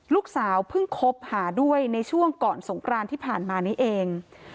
ลูกสาวเพิ่งคบหาด้วยในช่วงก่อนสงกรานที่ผ่านมานี้เอง